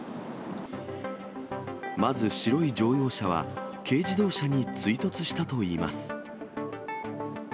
まず白い乗用車は、軽自動車に追突したといいます。